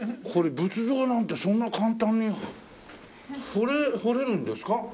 これ仏像なんてそんな簡単に彫れるんですか？